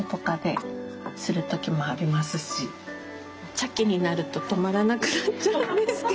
茶器になると止まらなくなっちゃうんですけど。